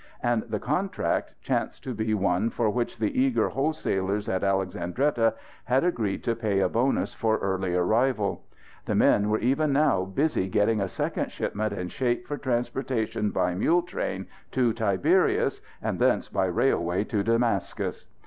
And the contract chanced to be one for which the eager wholesalers at Alexandretta had agreed to pay a bonus for early arrival. The men were even now busy getting a second shipment in shape for transportation by mule train to Tiberias and thence by railway to Damascus.